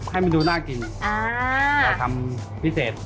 ให้มันดูน่ากินเราทำพิเศษ